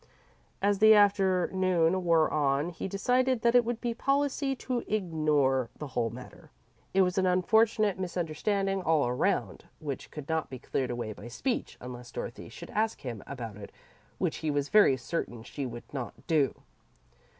As the afternoon wore on, he decided that it would be policy to ignore the whole matter. It was an unfortunate misunderstanding all around, which could not be cleared away by speech, unless Dorothy should ask him about it which he was very certain she would not do.